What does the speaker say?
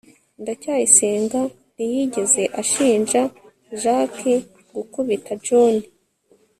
ndacyayisenga ntiyigeze ashinja jaki gukubita john